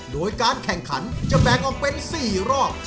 โดยการแข่งขันจะแบ่งออกเป็น๔รอบ